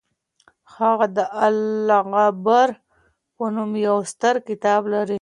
هغه د العبر په نوم يو ستر کتاب لري.